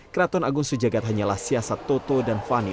keraton agung sejagat hanyalah siasat toto dan fani